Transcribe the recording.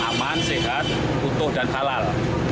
aman sehat utuh dan halal